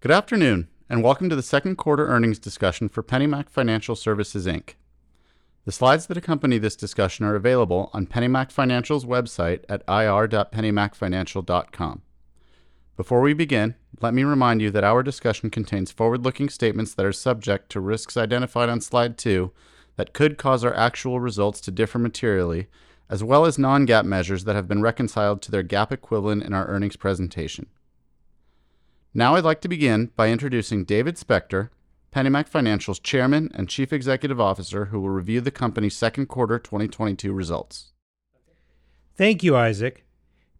Good afternoon, and welcome to the Second Quarter Earnings Discussion for PennyMac Financial Services, Inc. The slides that accompany this discussion are available on PennyMac Financial's website at ir.pennymacfinancial.com. Before we begin, let me remind you that our discussion contains forward-looking statements that are subject to risks identified on slide 2 that could cause our actual results to differ materially as well as non-GAAP measures that have been reconciled to their GAAP equivalent in our earnings presentation. Now I'd like to begin by introducing David Spector, PennyMac Financial's Chairman and Chief Executive Officer, who will review the company's second quarter 2022 results. Thank you, Isaac.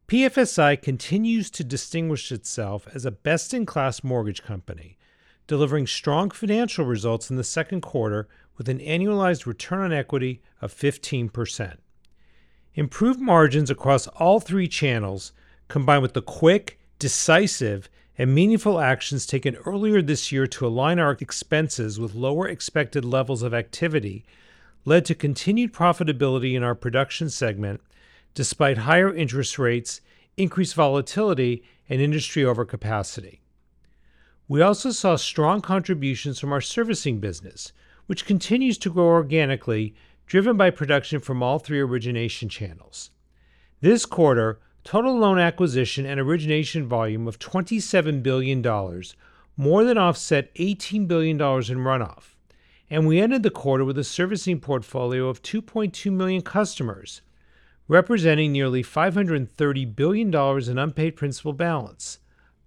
PFSI continues to distinguish itself as a best-in-class mortgage company, delivering strong financial results in the second quarter with an annualized return on equity of 15%. Improved margins across all three channels, combined with the quick, decisive, and meaningful actions taken earlier this year to align our expenses with lower expected levels of activity led to continued profitability in our production segment despite higher interest rates, increased volatility, and industry overcapacity. We also saw strong contributions from our servicing business, which continues to grow organically, driven by production from all three Origination Channels. This quarter, total loan acquisition and Origination volume of $27 billion more than offset $18 billion in runoff, and we ended the quarter with a Servicing Portfolio of 2.2 million customers, representing nearly $530 billion in unpaid principal balance,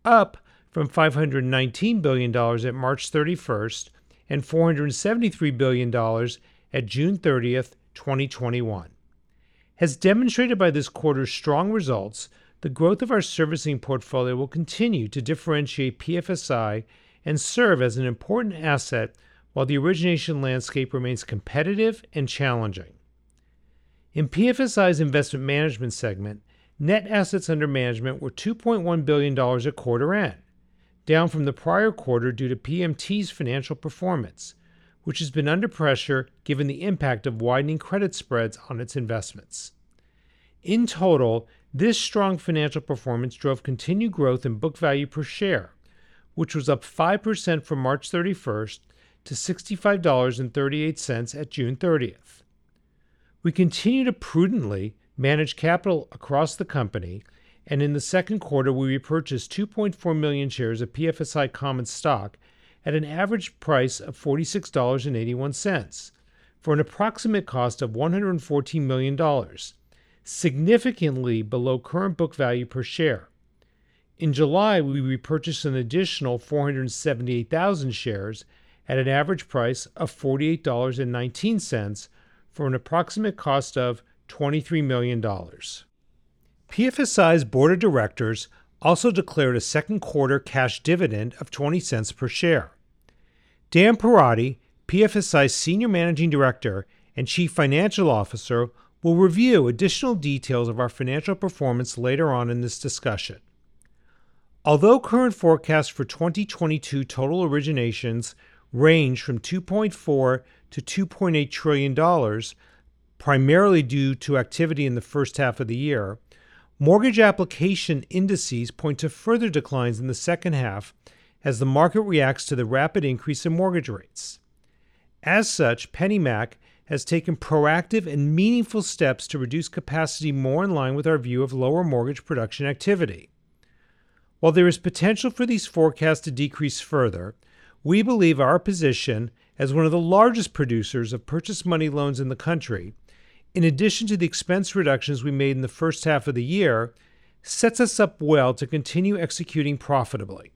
up from $519 billion at March 31st, and $473 billion at June 30th, 2021. As demonstrated by this quarter's strong results, the growth of our Servicing Portfolio will continue to differentiate PFSI and serve as an important asset while the Origination landscape remains competitive and challenging. In PFSI's Investment Management segment, net assets under management were $2.1 billion at quarter end, down from the prior quarter due to PMT's financial performance, which has been under pressure given the impact of widening credit spreads on its investments. In total, this strong financial performance drove continued growth in book value per share, which was up 5% from March 31st to $65.38 at June 30. We continue to prudently manage capital across the company, and in the second quarter, we repurchased 2.4 million shares of PFSI common stock at an average price of $46.81 for an approximate cost of $114 million, significantly below current book value per share. In July, we repurchased an additional 478,000 shares at an average price of $48.19 for an approximate cost of $23 million. PFSI's Board of Directors also declared a second quarter cash dividend of $0.20 per share. Dan Perotti, PFSI's Senior Managing Director and Chief Financial Officer, will review additional details of our financial performance later on in this discussion. Although current forecasts for 2022 total Originations range from $2.4 trillion-$2.8 trillion, primarily due to activity in the first half of the year, mortgage application indices point to further declines in the second half as the market reacts to the rapid increase in mortgage rates. As such, PennyMac has taken proactive and meaningful steps to reduce capacity more in line with our view of lower mortgage production activity. While there is a potential for these forecasts to decrease further, we believe our position as one of the largest producers of purchase money loans in the country, in addition to the expense reductions we made in the first half of the year, sets us up well to continue executing profitably.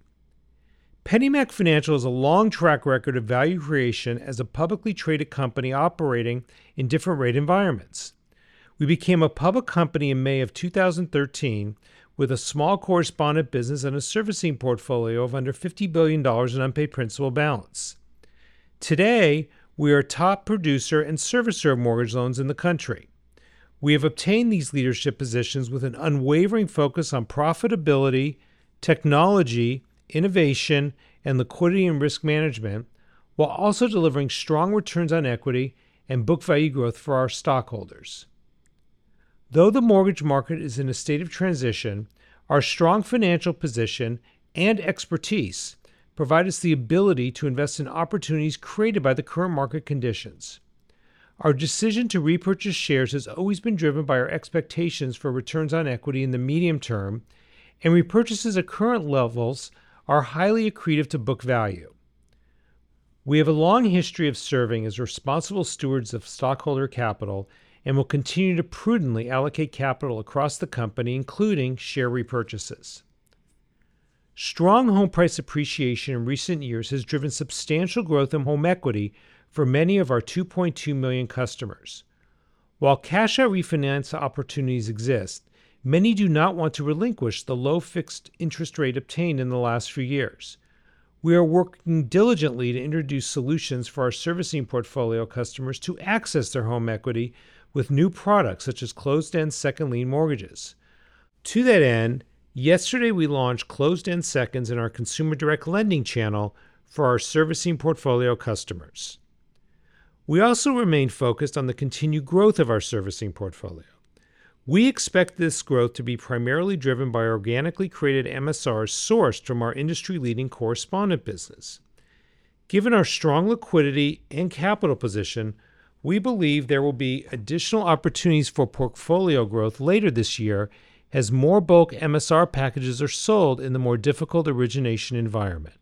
PennyMac Financial has a long track record of value creation as a publicly traded company operating in different rate environments. We became a public company in May of 2013 with a small correspondent business and a servicing portfolio of under $50 billion in unpaid principal balance. Today, we are a top producer and servicer of mortgage loans in the country. We have obtained these leadership positions with an unwavering focus on profitability, technology, innovation, and liquidity and risk management, while also delivering strong returns on equity and book value growth for our stockholders. Though the mortgage market is in a state of transition, our strong financial position and expertise provide us the ability to invest in opportunities created by the current market conditions. Our decision to repurchase shares has always been driven by our expectations for returns on equity in the medium term, and repurchases at current levels are highly accretive to book value. We have a long history of serving as responsible stewards of stockholder capital and will continue to prudently allocate capital across the company, including share repurchases. Strong home price appreciation in recent years has driven substantial growth in home equity for many of our 2.2 million customers. While cash-out refinance opportunities exist, many do not want to relinquish the low fixed interest rate obtained in the last few years. We are working diligently to introduce solutions for our Servicing Portfolio customers to access their home equity with new products such as closed-end second lien mortgages. To that end, yesterday we launched closed-end seconds in our Consumer Direct Lending Channel for our Servicing Portfolio customers. We also remain focused on the continued growth of our Servicing Portfolio. We expect this growth to be primarily driven by organically created MSRs sourced from our industry-leading Correspondent business. Given our strong liquidity and capital position, we believe there will be additional opportunities for portfolio growth later this year as more bulk MSR packages are sold in the more difficult Origination environment.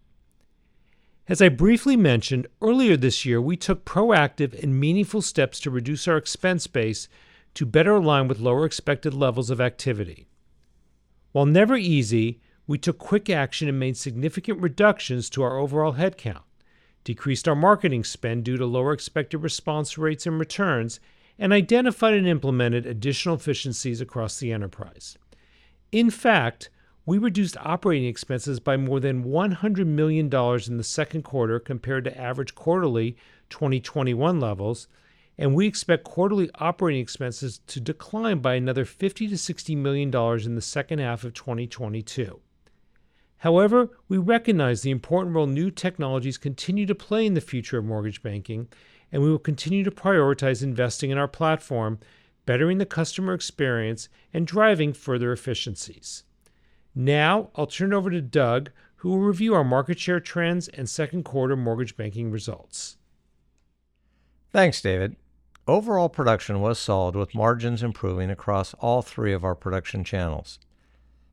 As I briefly mentioned, earlier this year, we took proactive and meaningful steps to reduce our expense base to better align with lower expected levels of activity. While never easy, we took quick action and made significant reductions to our overall headcount, decreased our marketing spend due to lower expected response rates and returns, and identified and implemented additional efficiencies across the enterprise. In fact, we reduced operating expenses by more than $100 million in the second quarter compared to average quarterly 2021 levels, and we expect quarterly operating expenses to decline by another $50 million-$60 million in the second half of 2022. However, we recognize the important role new technologies continue to play in the future of mortgage banking, and we will continue to prioritize investing in our platform, bettering the customer experience, and driving further efficiencies. Now, I'll turn it over to Doug, who will review our market share trends and second quarter mortgage banking results. Thanks, David. Overall production was solid, with margins improving across all three of our production channels.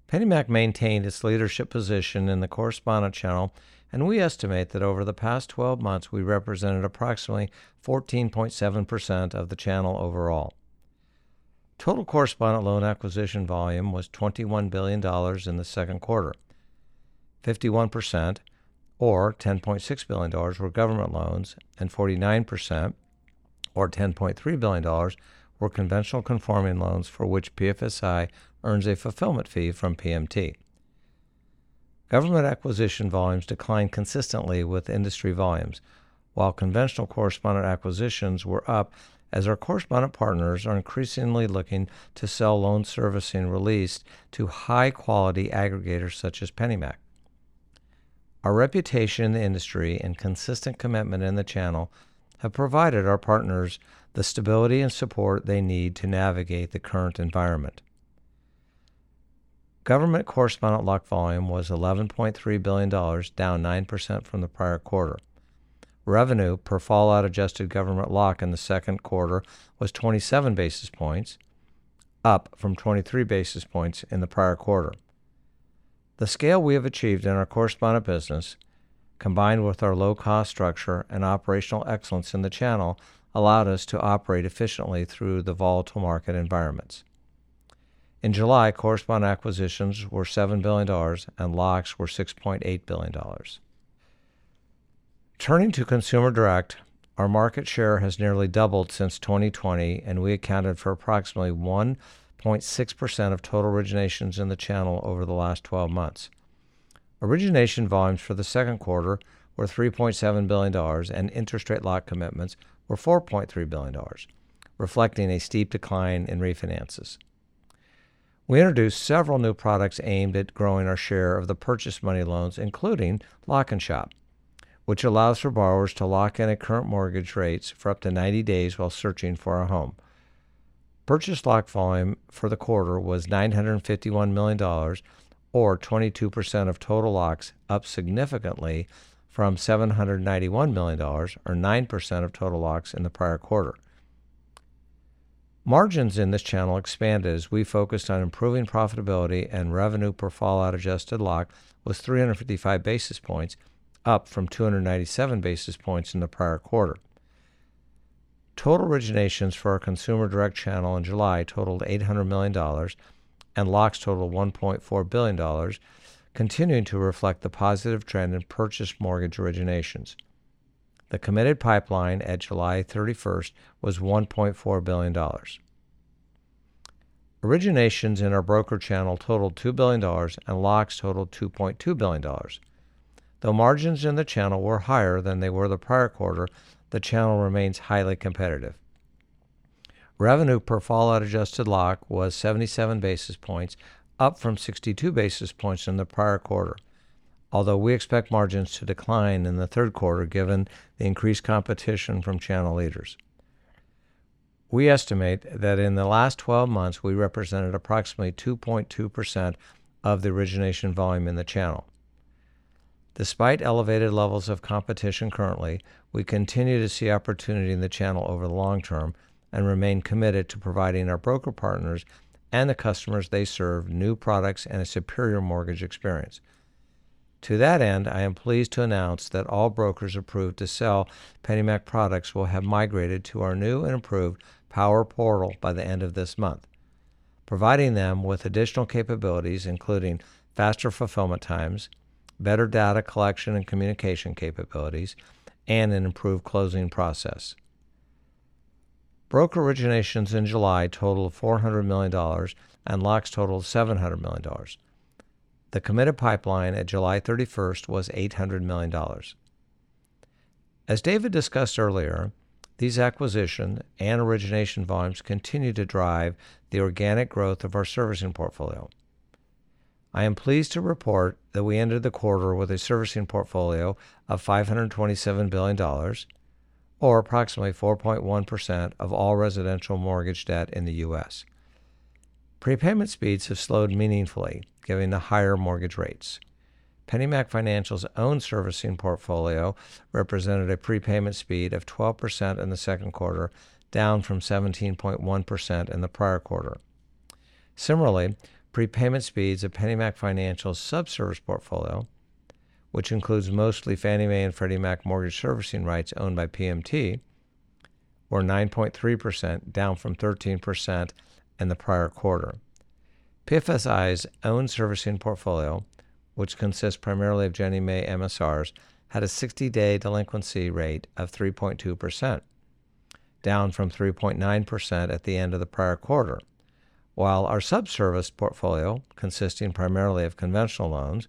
PennyMac maintained its leadership position in the Correspondent Channel, and we estimate that over the past 12 months we represented approximately 14.7% of the channel overall. Total Correspondent loan acquisition volume was $21 billion in the second quarter. 51%, or $10.6 billion, were government loans, and 49%, or $10.3 billion, were conventional conforming loans for which PFSI earns a fulfillment fee from PMT. Government acquisition volumes declined consistently with industry volumes, while conventional Correspondent acquisitions were up as our Correspondent partners are increasingly looking to sell loan servicing released to high-quality aggregators such as PennyMac. Our reputation in the industry and consistent commitment in the channel have provided our partners the stability and support they need to navigate the current environment. Government Correspondent lock volume was $11.3 billion, down 9% from the prior quarter. Revenue per fallout adjusted government lock in the second quarter was 27 basis points, up from 23 basis points in the prior quarter. The scale we have achieved in our Correspondent business, combined with our low-cost structure and operational excellence in the channel, allowed us to operate efficiently through the volatile market environments. In July, Correspondent acquisitions were $7 billion and locks were $6.8 billion. Turning to Consumer Direct, our market share has nearly doubled since 2020, and we accounted for approximately 1.6% of total Originations in the channel over the last twelve months. Origination volumes for the second quarter were $3.7 billion, and interest rate lock commitments were $4.3 billion, reflecting a steep decline in refinances. We introduced several new products aimed at growing our share of the purchase money loans, including Lock & Shop, which allows for borrowers to lock in at current mortgage rates for up to 90 days while searching for a home. Purchase Lock volume for the quarter was $951 million, or 22% of total locks, up significantly from $791 million, or 9% of total locks in the prior quarter. Margins in this channel expanded as we focused on improving profitability and revenue per fallout-adjusted lock was 355 basis points, up from 297 basis points in the prior quarter. Total Originations for our Consumer Direct Channel in July totaled $800 million, and locks totaled $1.4 billion, continuing to reflect the positive trend in purchase mortgage Originations. The committed pipeline at July 31st was $1.4 billion. Originations in our broker channel totaled $2 billion, and locks totaled $2.2 billion. Though margins in the channel were higher than they were the prior quarter, the channel remains highly competitive. Revenue per fallout-adjusted lock was 77 basis points, up from 62 basis points in the prior quarter. Although we expect margins to decline in the third quarter given the increased competition from channel leaders. We estimate that in the last 12 months, we represented approximately 2.2% of the Origination volume in the channel. Despite elevated levels of competition currently, we continue to see opportunity in the channel over the long term and remain committed to providing our broker partners and the customers they serve new products and a superior mortgage experience. To that end, I am pleased to announce that all brokers approved to sell PennyMac products will have migrated to our new and improved POWER portal by the end of this month, providing them with additional capabilities, including faster fulfillment times, better data collection and communication capabilities, and an improved closing process. Broker Originations in July totaled $400 million, and locks totaled $700 million. The committed pipeline at July 31 was $800 million. As David discussed earlier, these acquisition and Origination volumes continue to drive the organic growth of our Servicing Portfolio. I am pleased to report that we ended the quarter with a Servicing Portfolio of $527 billion, or approximately 4.1% of all residential mortgage debt in the U.S. Prepayment speeds have slowed meaningfully given the higher mortgage rates. PennyMac Financial's own Servicing Portfolio represented a prepayment speed of 12% in the second quarter, down from 17.1% in the prior quarter. Similarly, prepayment speeds of PennyMac Financial’s Subservice Portfolio, which includes mostly Fannie Mae and Freddie Mac mortgage servicing rights owned by PMT, were 9.3%, down from 13% in the prior quarter. PFSI's own servicing portfolio, which consists primarily of Ginnie Mae MSRs, had a 60-day delinquency rate of 3.2%, down from 3.9% at the end of the prior quarter. While our Subservice Portfolio, consisting primarily of conventional loans,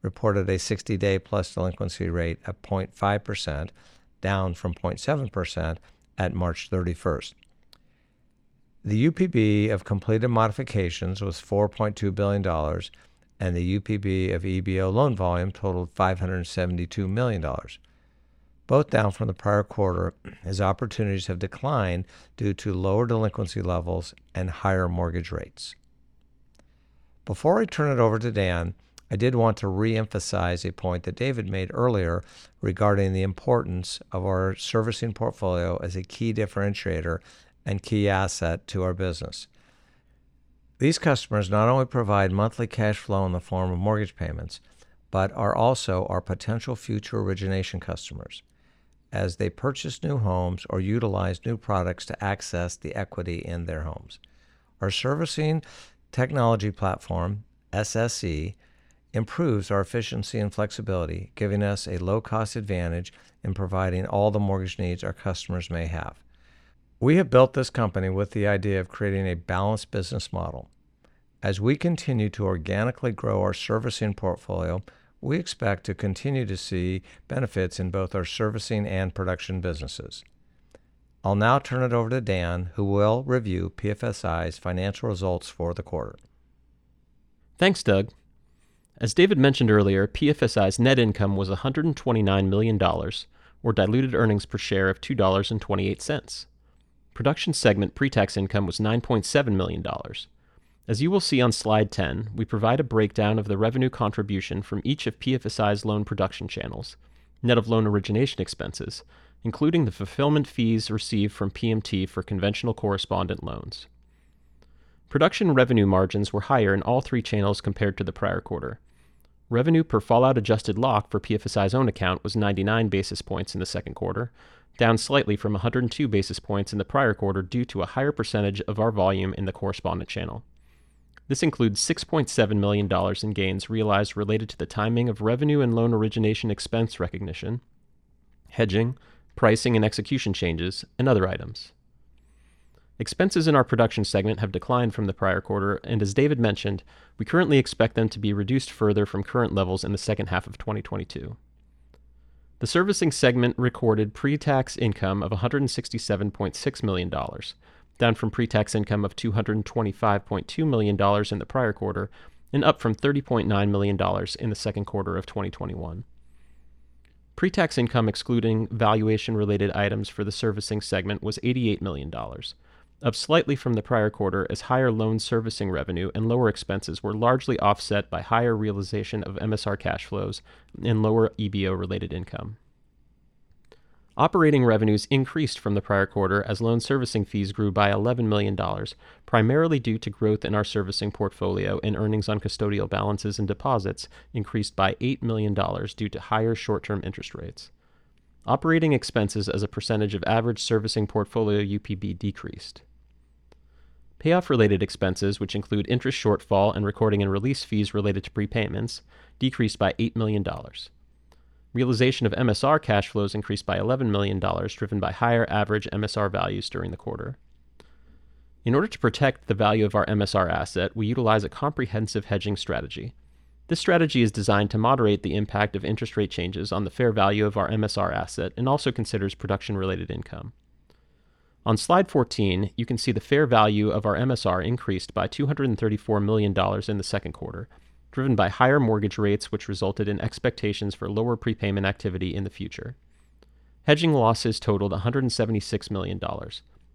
reported a 60+ day delinquency rate of 0.5%, down from 0.7% at March 31st. The UPB of completed modifications was $4.2 billion, and the UPB of EBO loan volume totaled $572 million, both down from the prior quarter as opportunities have declined due to lower delinquency levels and higher mortgage rates. Before I turn it over to Dan, I did want to reemphasize a point that David made earlier regarding the importance of our Servicing Portfolio as a key differentiator and key asset to our business. These customers not only provide monthly cash flow in the form of mortgage payments, but are also our potential future Origination customers as they purchase new homes or utilize new products to access the equity in their homes. Our servicing technology platform, SSE, improves our efficiency and flexibility, giving us a low-cost advantage in providing all the mortgage needs our customers may have. We have built this company with the idea of creating a balanced business model. As we continue to organically grow our Servicing Portfolio, we expect to continue to see benefits in both our servicing and production businesses. I'll now turn it over to Dan, who will review PFSI's financial results for the quarter. Thanks, Doug. As David mentioned earlier, PFSI's net income was $129 million, or diluted earnings per share of $2.28. Production segment pretax income was $9.7 million. As you will see on slide 10, we provide a breakdown of the revenue contribution from each of PFSI's loan production channels, net of loan Origination expenses, including the fulfillment fees received from PMT for conventional Correspondent Loans. Production revenue margins were higher in all three channels compared to the prior quarter. Revenue per fallout adjusted lock for PFSI's own account was 99 basis points in the second quarter, down slightly from 102 basis points in the prior quarter due to a higher percentage of our volume in the Correspondent Channel. This includes $6.7 million in gains realized related to the timing of revenue and loan Origination expense recognition, hedging, pricing and execution changes, and other items. Expenses in our Production segment have declined from the prior quarter, and as David mentioned, we currently expect them to be reduced further from current levels in the second half of 2022. The Servicing segment recorded pretax income of $167.6 million, down from pretax income of $225.2 million in the prior quarter and up from $30.9 million in the second quarter of 2021. Pretax income excluding valuation-related items for the Servicing segment was $88 million, up slightly from the prior quarter as higher loan Servicing revenue and lower expenses were largely offset by higher realization of MSR cash flows and lower EBO-related income. Operating revenues increased from the prior quarter as loan servicing fees grew by $11 million, primarily due to growth in our Servicing Portfolio and earnings on custodial balances and deposits increased by $8 million due to higher short-term interest rates. Operating expenses as a percentage of average Servicing Portfolio UPB decreased. Payoff-related expenses, which include interest shortfall and recording and release fees related to prepayments, decreased by $8 million. Realization of MSR cash flows increased by $11 million, driven by higher average MSR values during the quarter. In order to protect the value of our MSR asset, we utilize a comprehensive hedging strategy. This strategy is designed to moderate the impact of interest rate changes on the fair value of our MSR asset and also considers production-related income. On slide 14, you can see the fair value of our MSR increased by $234 million in the second quarter, driven by higher mortgage rates, which resulted in expectations for lower prepayment activity in the future. Hedging losses totaled $176 million,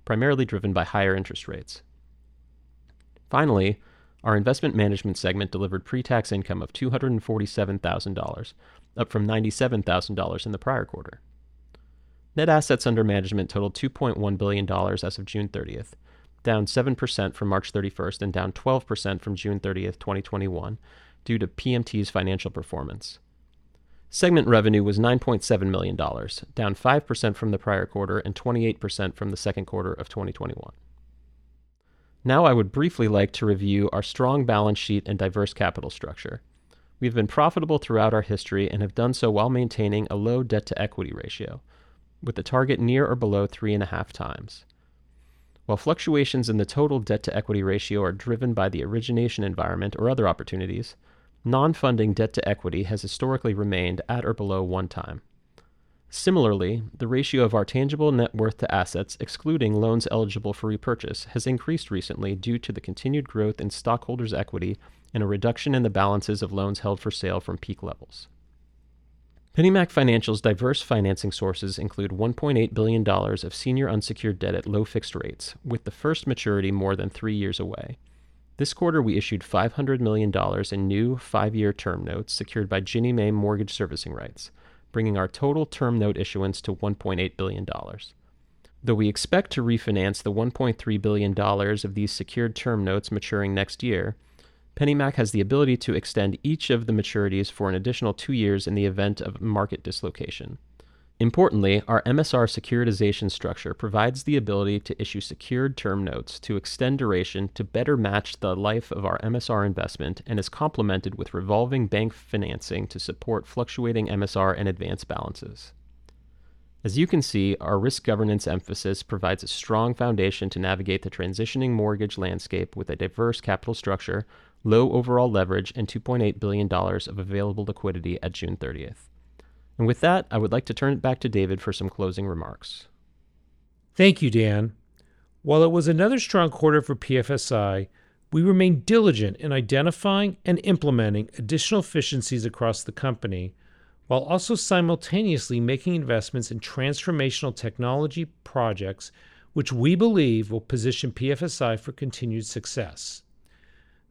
primarily driven by higher interest rates. Finally, our Investment Management segment delivered pretax income of $247,000, up from $97,000 in the prior quarter. Net assets under management totaled $2.1 billion as of June 30, down 7% from March 31st and down 12% from June 30th, 2021 due to PMT's financial performance. Segment revenue was $9.7 million, down 5% from the prior quarter and 28% from the second quarter of 2021. Now I would briefly like to review our strong balance sheet and diverse capital structure. We have been profitable throughout our history and have done so while maintaining a low debt-to-equity ratio, with a target near or below 3.5x. While fluctuations in the total debt-to-equity ratio are driven by the Origination environment or other opportunities, non-funding debt-to-equity has historically remained at or below 1x. Similarly, the ratio of our tangible net worth to assets, excluding loans eligible for repurchase, has increased recently due to the continued growth in stockholders' equity and a reduction in the balances of loans held for sale from peak levels. PennyMac Financial's diverse financing sources include $1.8 billion of senior unsecured debt at low fixed rates, with the first maturity more than three years away. This quarter, we issued $500 million in new five-year term notes secured by Ginnie Mae mortgage servicing rights, bringing our total term note issuance to $1.8 billion. Though we expect to refinance the $1.3 billion of these secured term notes maturing next year, PennyMac has the ability to extend each of the maturities for an additional two years in the event of market dislocation. Importantly, our MSR securitization structure provides the ability to issue secured term notes to extend duration to better match the life of our MSR investment and is complemented with revolving bank financing to support fluctuating MSR and advance balances. As you can see, our risk governance emphasis provides a strong foundation to navigate the transitioning mortgage landscape with a diverse capital structure, low overall leverage, and $2.8 billion of available liquidity at June 30th. With that, I would like to turn it back to David for some closing remarks. Thank you, Dan. While it was another strong quarter for PFSI, we remain diligent in identifying and implementing additional efficiencies across the company, while also simultaneously making investments in transformational technology projects which we believe will position PFSI for continued success.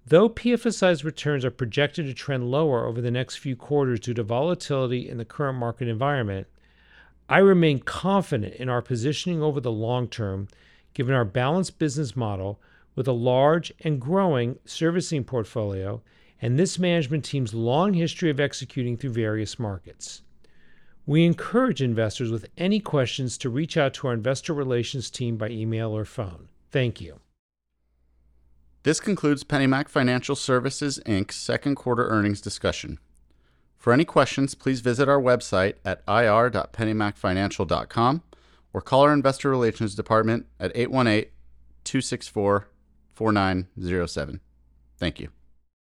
Though PFSI's returns are projected to trend lower over the next few quarters due to volatility in the current market environment, I remain confident in our positioning over the long term, given our balanced business model with a large and growing Servicing Portfolio and this management team's long history of executing through various markets. We encourage investors with any questions to reach out to our investor relations team by email or phone. Thank you. This concludes PennyMac Financial Services, Inc.'s Second Quarter Earnings Discussion. For any questions, please visit our website at ir.pennymacfinancial.com or call our investor relations department at 818-264-4907. Thank you.